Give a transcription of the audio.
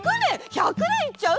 １００ねんいっちゃう！？